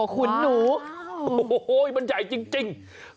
ขุนหนูโอ้โหมันใหญ่จริง